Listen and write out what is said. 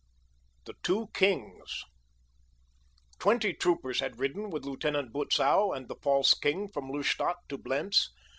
THE TWO KINGS Twenty troopers had ridden with Lieutenant Butzow and the false king from Lustadt to Blentz.